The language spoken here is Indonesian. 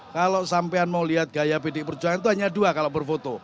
kalau sampean mau lihat gaya pdi perjuangan itu hanya dua kalau berfoto